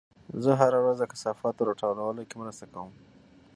زه هره ورځ د کثافاتو راټولولو کې مرسته کوم.